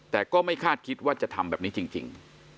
แต่ก็ไม่คาดคิดว่าจะทำแบบนี้จริง